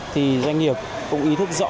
thì doanh nghiệp cũng ý thức rõ